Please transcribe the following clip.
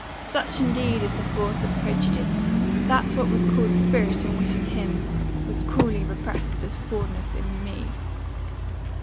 Such indeed is the force of prejudice, that what was called spirit and wit in him, was cruelly repressed as forwardness in me.